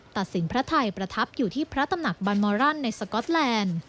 ตัดสินพระไทยประทับอยู่ที่พระตำหนักบันมอรันในสก๊อตแลนด์